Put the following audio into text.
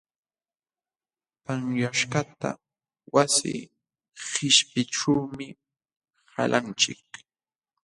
Panyaśhkaqta wasi qishpiyćhuumi qalanchik.